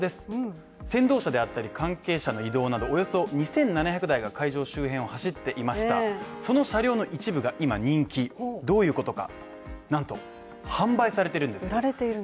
人数、先導車であったり関係者の移動などおよそ２７００台が会場周辺を走っていましたその車両の一部が今人気を、どういうことか。